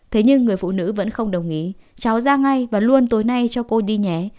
thế nhưng người phụ nữ vẫn không đồng ý cháu ra ngay và luôn tối nay cho cô đi nhé